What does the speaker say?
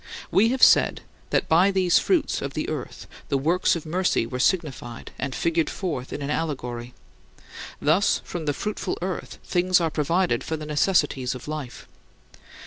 We have said that by these fruits of the earth the works of mercy were signified and figured forth in an allegory: thus, from the fruitful earth, things are provided for the necessities of life.